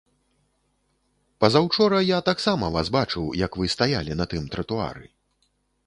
Пазаўчора я таксама вас бачыў, як вы стаялі на тым тратуары.